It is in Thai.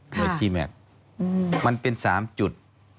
เวทีแม็กซ์มันเป็น๓จุด